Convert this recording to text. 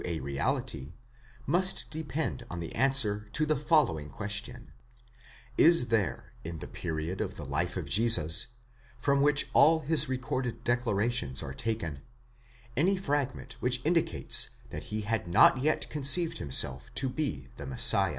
a reality, must depend on the answer to the following question: Is there, in the period of the life of Jesus, from which all his recorded declarations are taken, any fragment which indicates that he had not yet conceived himself to be the Messiah